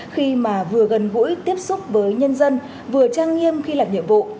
khi mà vừa gần gũi tiếp xúc với nhân dân vừa trang nghiêm khi làm nhiệm vụ